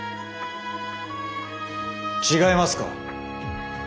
違いますか？